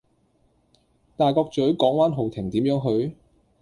大角嘴港灣豪庭點樣去?